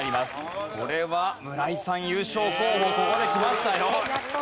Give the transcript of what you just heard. これは村井さん優勝候補ここできましたよ。